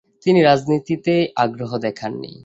তিনি রাজনীতিতে আগ্রহ দেখাননি।